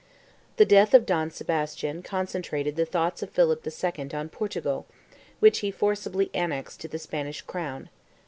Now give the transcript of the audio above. The death of Don Sebastian concentrated the thoughts of Philip II. on Portugal, which he forcibly annexed to the Spanish crown.